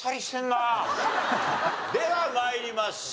では参りましょう。